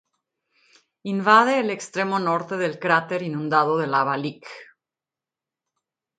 Invade el extremo norte del cráter inundado de lava Lick.